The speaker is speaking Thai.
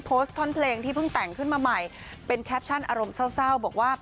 ท่อนเพลงที่เพิ่งแต่งขึ้นมาใหม่เป็นแคปชั่นอารมณ์เศร้าบอกว่า